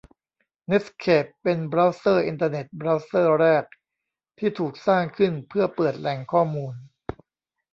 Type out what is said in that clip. เน็ตสเคป เป็นบราวเซอร์อินเทอร์เน็ต บราวเซอร์แรกที่ถูกสร้างขึ้นเพื่อเปิดแหล่งข้อมูล